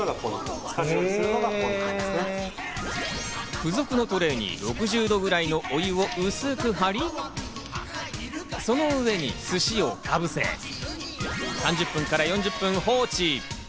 付属のトレイに６０度くらいのお湯を薄く張り、その上に寿司をかぶせ、３０分から４０分放置。